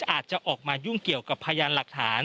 อาจจะออกมายุ่งเกี่ยวกับพยานหลักฐาน